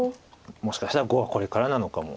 もしかしたら碁はこれからなのかも。